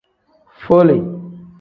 Fole.